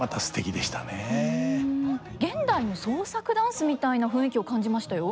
現代の創作ダンスみたいな雰囲気を感じましたよ。